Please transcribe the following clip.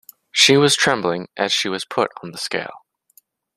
She was trembling as she was put on the scale.